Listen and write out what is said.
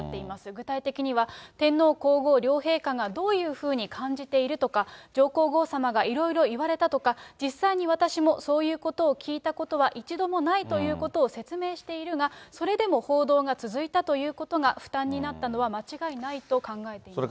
具体的には、天皇皇后両陛下がどういうふうに感じているとか、上皇后さまがいろいろ言われたとか、実際に私もそういうことを聞いたことは一度もないということを説明しているが、それでも報道が続いたということが、負担になったのは間違いないと考えていますと。